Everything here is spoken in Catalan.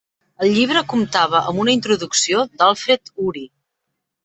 El llibre comptava amb una introducció d'Alfred Uhry.